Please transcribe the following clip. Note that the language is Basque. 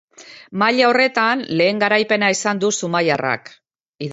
Maila horretan lehen garaipena izan du zumaiarrak.